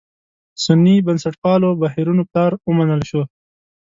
سني بنسټپالو بهیرونو پلار ومنل شو.